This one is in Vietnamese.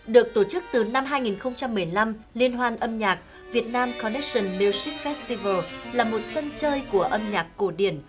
được tổ chức từ năm hai nghìn một mươi năm liên hoan âm nhạc việt nam connestion music festival là một sân chơi của âm nhạc cổ điển